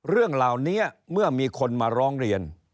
เรื่องเหล่านี้เมื่อมีคนมาร้องเรียน